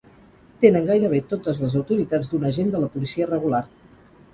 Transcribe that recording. Tenen gairebé totes les autoritats d'un agent de la policia regular.